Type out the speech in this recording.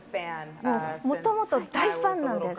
もともと大ファンなんです。